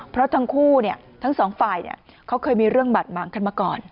เพราะทั้งคู่ทั้งสองฝ่ายเขาเคยมีเรื่องบาดหมางกันมาก่อน